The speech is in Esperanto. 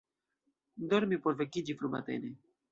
Dormi por vekiĝi frumatene.